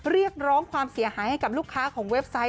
เรียกร้องความเสียหายให้กับลูกค้าของเว็บไซต์